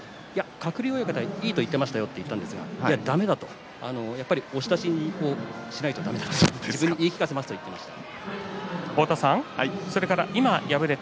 鶴竜親方はいいと言ってましたよと伝えましたがだめだとやっぱり押し出しじゃないとと自分に言い聞かせますと話していました。